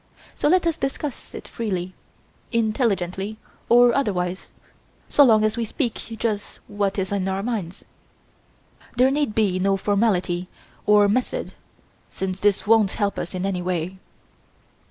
So let us discuss it freely intelligently or otherwise, so long as we speak just what is in our minds. There need be no formality or method since this won't help us in any way."